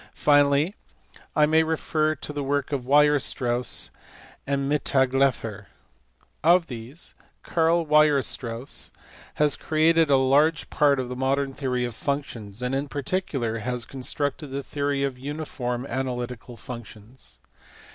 Finally I may refer to the work of Weierstrass and Mittag Leffler. Of these, Karl Weierstrass (see pp. 469, 482) has created a large part of the modern theory of functions, and in particu lar has constructed the theory of uniform analytical functions.